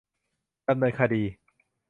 ดำเนินคดี